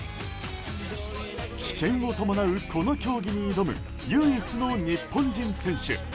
危険を伴うこの競技に挑む唯一の日本人選手